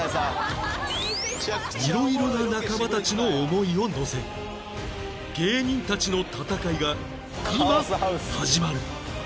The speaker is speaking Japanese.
色々な仲間たちの思いをのせ芸人たちの戦いが今始まる